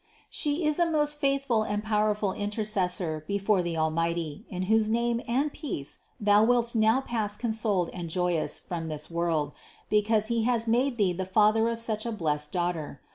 She is a most faithful and powerful Intercessor before the Almighty, in whose name 518 CITY OF GOD and peace thou wilt now pass consoled and joyous from this world, because He has made thee the father of such a blessed Daughter.